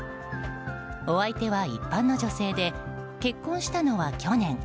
お相手は、一般の女性で結婚したのは去年。